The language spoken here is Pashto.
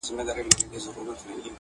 زاړه خلک چوپتيا خوښوي ډېر،